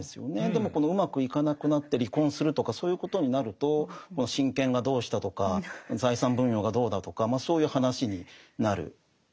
でもこのうまくいかなくなって離婚するとかそういうことになると親権がどうしたとか財産分与がどうだとかそういう話になる。